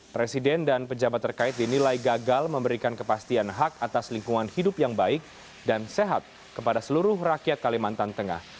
presiden dan pejabat terkait dinilai gagal memberikan kepastian hak atas lingkungan hidup yang baik dan sehat kepada seluruh rakyat kalimantan tengah